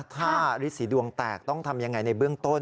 ถ้าฤทธิ์สีดวงแตกต้องทำอย่างไรในเบื้องต้น